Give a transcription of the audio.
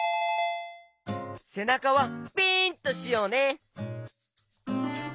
せなかはピンとしようね！